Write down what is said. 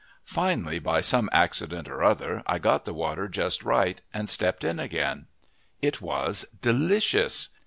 Finally, by some accident or other, I got the water just right and stepped in again. It was delicious.